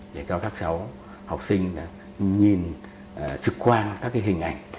để cho các cháu học sinh nhìn trực quan các hình ảnh